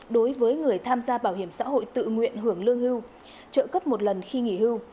đối với người tham gia bảo hiểm xã hội tự nguyện hưởng lương hưu trợ cấp một lần khi nghỉ hưu